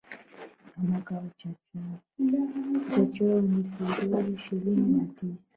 Siku ya mwaka wa chachawa ni Februari ishirini na tisa.